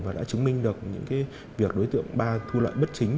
và đã chứng minh được những việc đối tượng ba thu lợi bất chính